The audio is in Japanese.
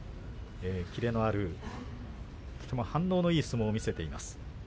キレのある、反応のいい相撲を見せています。